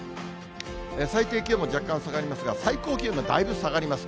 最低気温若干下がりますが、最高気温もだいぶ下がります。